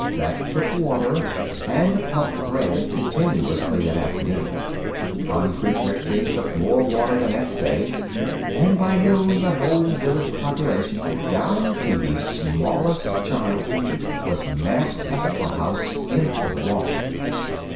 That took water, and the pump ran continuously that afternoon. Concrete mixing took more water the next day, and by noon the whole village population, down to the smallest child, was massed at the pumphouse, enthralled.